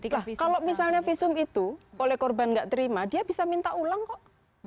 kalau misalnya visum itu oleh korban nggak terima dia bisa minta ulang kok